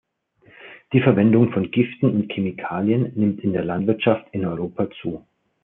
Die Verwendung von Giften und Chemikalien nimmt in der Landwirtschaft in Europa zu.